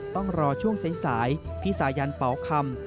ต้องรอช่วงสายพี่สายันเป๋าคำ